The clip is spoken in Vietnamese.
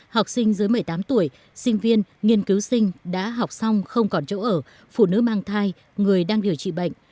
học sinh dưới một mươi tám tuổi sinh viên nghiên cứu sinh đã học xong không còn chỗ ở phụ nữ mang thai người đang điều trị bệnh